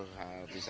beliau juga mbah saya